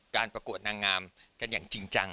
ประกวดนางงามกันอย่างจริงจัง